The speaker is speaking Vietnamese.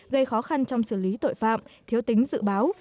gây khó khăn trong xử lý tội phạm thiếu tính dự báo